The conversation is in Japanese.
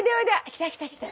来た来た来た。